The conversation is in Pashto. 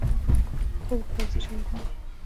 د خوب لپاره څه شی اړین دی؟